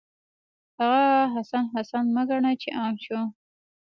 هغه حسن، حسن مه ګڼه چې عام شو